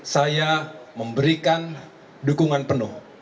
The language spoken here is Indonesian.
saya memberikan dukungan penuh